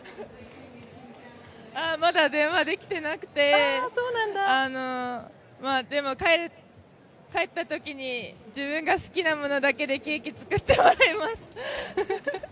まだ電話できてなくて、帰ったときに自分が好きものだけでケーキ作ってもらいます。